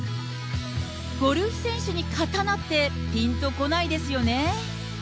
ゴルフ選手に刀って、ぴんと来ないですよね。